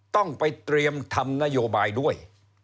ต้องไปเตรียมทำนโยบายด้วย